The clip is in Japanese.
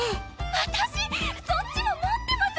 私そっちも持ってます！